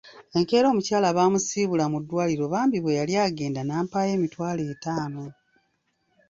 Enkeera omukyala baamusiibula mu ddwaliro bambi bwe yali agenda n'ampaayo emitwalo etaano.